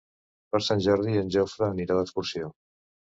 Per Sant Jordi en Jofre anirà d'excursió.